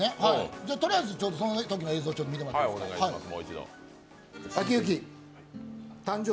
とりあえずそのときの映像を見てもらっていいですか。